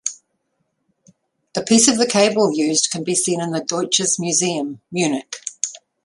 A piece of the cable used can be seen in the Deutsches Museum, Munich.